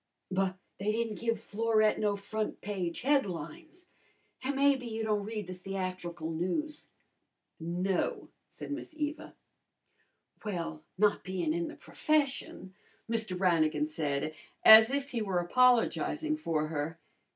"But they didn't give Florette no front page headlines, an' maybe you don't read the theatrical news." "No," said Miss Eva. "Well, not bein' in the profession," Mr. Brannigan said as if he were apologizing for her.